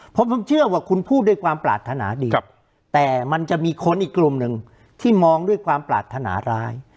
เพราะผมเชื่อว่าคุณพูดด้วยความปรารถนาดีแต่มันจะมีคนอีกกลุ่มหนึ่งที่มองด้วยความปรารถนาร้าย